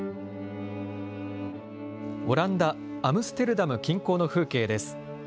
オランダ・アムステルダム近郊の風景です。